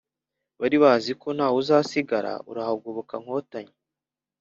Baribaziko ntawuzasigara urahagoboka nkotanyi